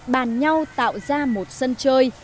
bàn nhau tạo ra một sân chơi